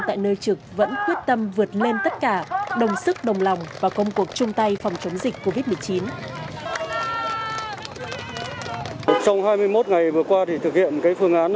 tại nơi trực vẫn quyết tâm vượt lên tất cả các lực lượng